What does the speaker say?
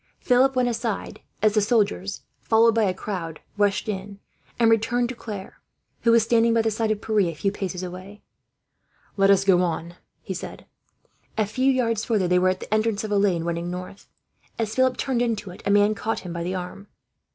Philip went aside as the soldiers, followed by a crowd, rushed in; and returned to Claire, who was standing by the side of Pierre, a few paces away. "Let us go on," he said. A few yards further they were at the entrance of a lane running north. As Philip turned into it, a man caught him by the arm.